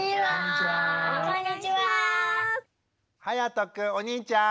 はやとくん！